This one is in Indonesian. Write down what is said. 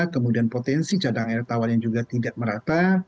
kemudian potensi cadang air tawar yang juga tidak merata